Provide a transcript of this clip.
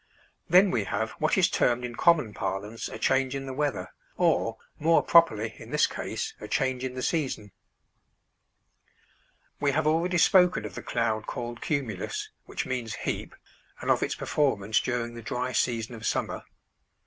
Then we have what is termed in common parlance a change in the weather, or, more properly in this case, a change in the season. We have already spoken of the cloud called cumulus (which means heap) and of its performance during the dry season of summer.